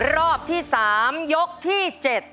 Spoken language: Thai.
รอบที่๓ยกที่๗